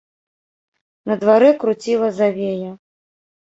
На дварэ круціла завея.